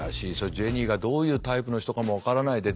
ジェニーがどういうタイプの人かも分からないで男性任された。